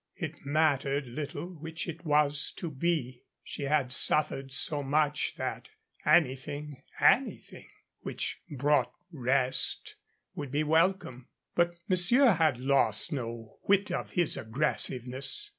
It mattered little which it was to be. She had suffered so much that anything anything which brought rest would be welcome. But monsieur had lost no whit of his aggressiveness.